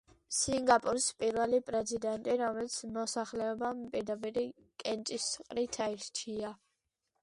სინგაპურის პირველი პრეზიდენტი, რომელიც მოსახლეობამ პირდაპირი კენჭისყრით აირჩია.